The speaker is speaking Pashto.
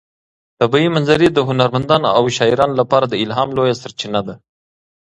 طبیعي منظرې د هنرمندانو او شاعرانو لپاره د الهام لویه سرچینه ده.